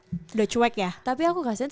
sudah cuek ya tapi aku kasian